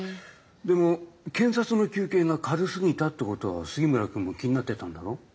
でも検察の求刑が軽すぎたってことは杉村君も気になってたんだろ？